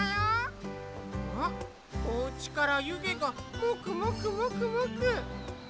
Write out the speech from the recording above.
あっおうちからゆげがもくもくもくもく。